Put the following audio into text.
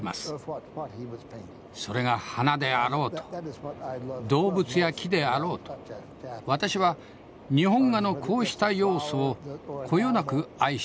それが花であろうと動物や木であろうと私は日本画のこうした要素をこよなく愛しています。